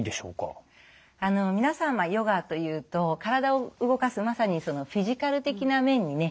皆さんはヨガというと体を動かすまさにフィジカル的な面にね